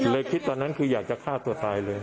คิดตอนนั้นคืออยากจะฆ่าตัวตายเลย